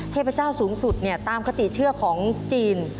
เทพเจ้าสูงสุดตามคติเชื่อของจีน